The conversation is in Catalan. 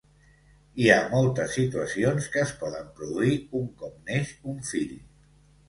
Hi ha moltes situacions que es poden produir un cop neix un fill.